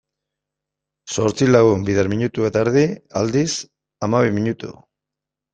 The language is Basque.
Zortzi lagun bider minutu eta erdi, aldiz, hamabi minutu.